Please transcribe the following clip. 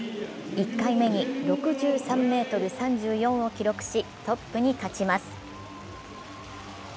１回目に６３ｍ３４を記録し、トップに立ちます。